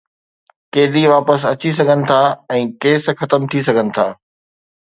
قيدي واپس اچي سگهن ٿا ۽ ڪيس ختم ٿي سگهن ٿا.